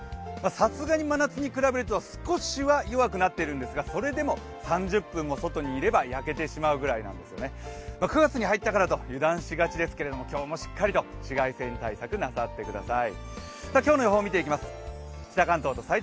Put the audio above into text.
さすがに真夏に比べると少しは弱くなっているんですが、それでも３０分も外にいれば焼けてしまうぐらいなんです９月に入ったからと油断しがちですが今日もしっかりと紫外線対策なさってください